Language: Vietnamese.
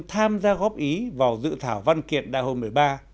tham gia góp ý vào dự thảo văn kiện đại hội một mươi ba